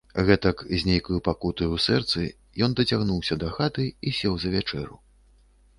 Гэтак, з нейкаю пакутаю ў сэрцы, ён дацягнуўся дахаты i сеў за вячэру...